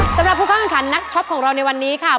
สำหรับทุกคนค่ะนักช็อปของเราในวันนี้ค่ะ